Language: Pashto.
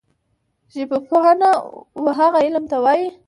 ژبپوهنه وهغه علم ته وايي